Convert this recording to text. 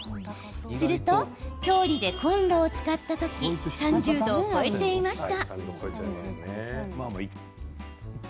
すると、調理でコンロを使った時３０度を超えていました。